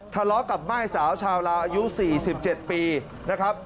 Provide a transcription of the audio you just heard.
ทะเลาะกับม่ายสาวชาวลาวอายุ๔๗ปีนะครับ